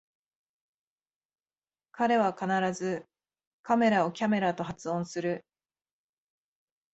彼は必ずカメラをキャメラと発音する